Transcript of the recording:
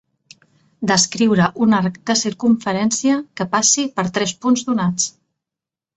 Descriure un arc de circumferència que passi per tres punts donats.